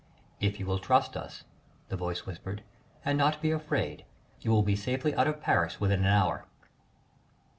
"If you will trust us," the voice whispered, "and not be afraid, you will be safely out of Paris within an hour."